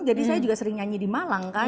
jadi saya juga sering nyanyi di malang kan